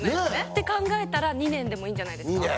って考えたら２年でもいいんじゃないですか？